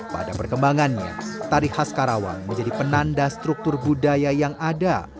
pada perkembangannya tari khas karawang menjadi penanda struktur budaya yang ada